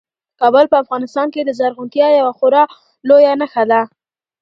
کابل په افغانستان کې د زرغونتیا یوه خورا لویه نښه ده.